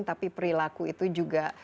tapi perilaku itu juga sangat penting